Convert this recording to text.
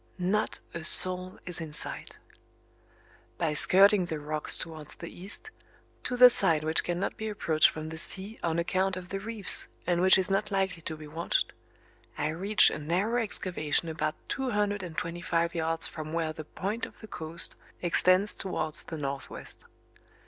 Not a soul is in sight! By skirting the rocks towards the east, to the side which cannot be approached from the sea on account of the reefs and which is not likely to be watched, I reach a narrow excavation about two hundred and twenty five yards from where the point of the coast extends towards the northwest.